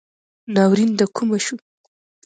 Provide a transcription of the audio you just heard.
ناورین دکومه شو